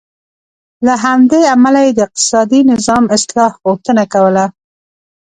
له همدې امله یې د اقتصادي نظام اصلاح غوښتنه کوله.